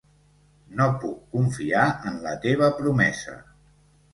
No puc confiar en la teva promesa.